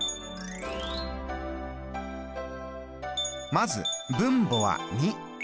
まず分母は２。